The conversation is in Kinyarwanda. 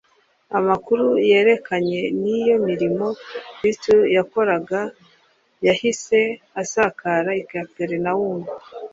amakuru yerekeranye n’iyo mirimo kristo yakoraga yahise asakara i kaperinawumu